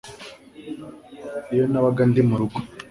Iyo nabaga ndi mu rugo